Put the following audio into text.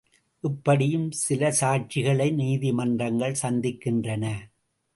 இப்படியும் சில சாட்சிகளை நீதிமன்றங்கள் சந்திக்கின்றன.